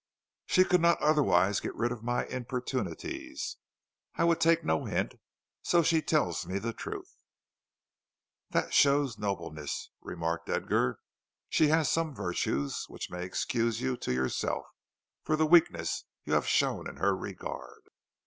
"She could not otherwise get rid of my importunities. I would take no hint, and so she tells me the truth." "That shows nobleness," remarked Edgar. "She has some virtues which may excuse you to yourself for the weakness you have shown in her regard."